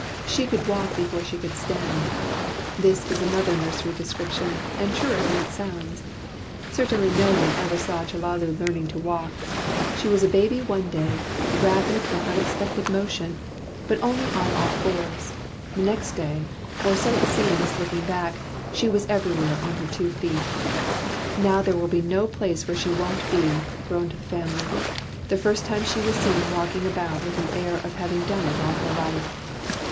"She could walk before she could stand" this is another nursery description, and truer than it sounds. Certainly no one ever saw Chellalu learning to walk. She was a baby one day, rapid in unexpected motion, but only on all fours; the next day or so it seems, looking back she was everywhere on her two feet. "Now there will be no place where she won't be!" groaned the family, the first time she was seen walking about with an air of having done it all her life.